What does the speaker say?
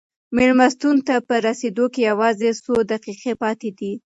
مېلمستون ته په رسېدو کې یوازې څو دقیقې پاتې دي.